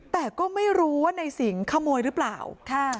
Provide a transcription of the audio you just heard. แต่ก็ไม่รู้ว่าในสิงห์ขโมยหรือเปล่าค่ะ